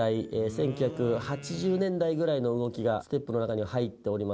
１９８０年代ぐらいの動きがステップの中に入っておりますね。